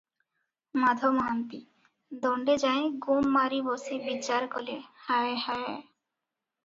ମାଧ ମହାନ୍ତି- ଦଣ୍ଡେଯାଏଁ ଗୁମ ମାରି ବସି ବିଚାର କଲେ- ହାୟ ହାୟ!